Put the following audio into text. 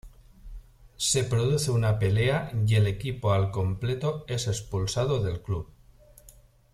Se produce una pelea y el equipo al completo es expulsado del club.